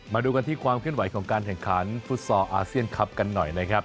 มาดูกันที่ความเคลื่อนไหวของการแข่งขันฟุตซอลอาเซียนคลับกันหน่อยนะครับ